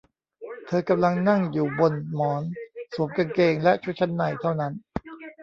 เธอกำลังนั่งอยู่บนหมอนสวมกางเกงและชุดชั้นในเท่านั้น